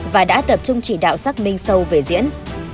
và đã tập trung chỉ đạo xác minh sâu về diễn